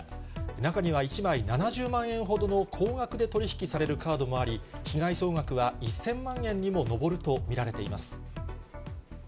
中には１枚７０万円ほどの高額で取り引きされるカードもあり、被害総額は１０００万円にも上ると見られています。